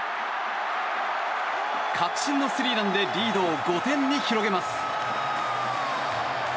確信のスリーランでリードを５点に広げます。